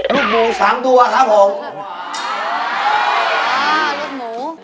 ลูกหมู๓ตัวครับผม